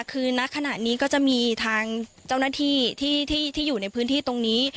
คือนักขณะนี้ก็จะมีทางเจ้าหน้าที่ที่อยู่ในพื้นที่ตรงนี้